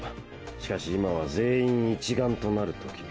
しかし今は全員一丸となるとき。